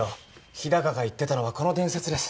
日高が言ってたのはこの伝説です